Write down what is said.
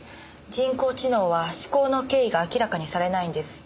人工知能は思考の経緯が明らかにされないんです。